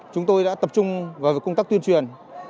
chúng tôi đã tập trung vào công tác tuyên truyền